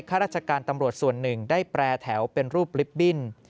ข้าราชการตำรวจส่วนหนึ่งได้แปรแถวเป็นรูปลิฟต์บิ้น